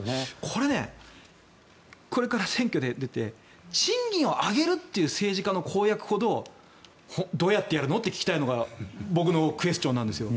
これねこれから選挙で出て賃金を上げるという政治家の公約ほどどうやってやるの？って聞きたいのが僕のクエスチョンなんです。